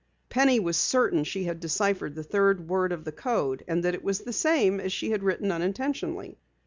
Penny was certain she had deciphered the third word of the code and that it was the same as she had written unintentionally.